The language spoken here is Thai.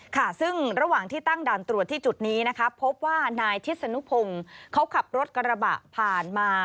ค่ะซึ่งระหว่างที่ตั้งด่านตรวจที่จุดนี้นะคะพบว่านายทิศนุพงศ์เขาขับรถกระบะผ่านมา